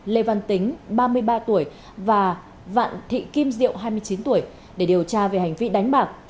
lê văn tính ba mươi ba tuổi và vạn thị kim diệu hai mươi chín tuổi để điều tra về hành vi đánh bạc